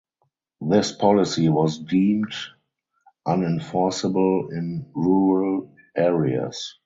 This policy was deemed unenforceable in rural areas.